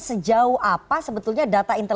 sejauh apa sebetulnya data